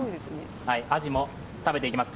あじも食べていきます。